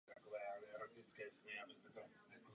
Na olympijské hry se jí podařilo kvalifikovat celkem třikrát.